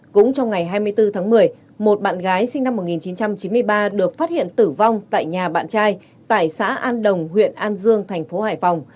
cũng trong ngày hai mươi bốn tháng một mươi một bạn gái sinh năm một nghìn chín trăm chín mươi ba được phát hiện tử vong tại nhà bạn trai tại xã an đồng huyện an dương thành phố hải phòng